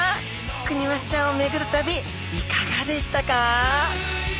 クニマスちゃんを巡る旅いかがでしたか？